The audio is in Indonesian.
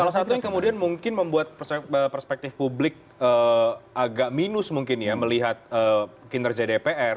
salah satu yang kemudian mungkin membuat perspektif publik agak minus mungkin ya melihat kinerja dpr